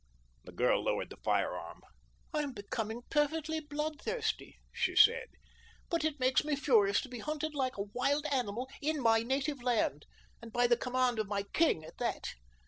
The girl lowered the firearm. "I am becoming perfectly bloodthirsty," she said, "but it makes me furious to be hunted like a wild animal in my native land, and by the command of my king, at that.